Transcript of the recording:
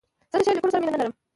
زه د شعر لیکلو سره مینه نه لرم.